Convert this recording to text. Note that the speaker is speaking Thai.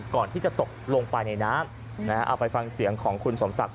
ก่อนที่จะตกลงไปในน้ำเอาไปฟังเสียงของคุณสมศักดิ์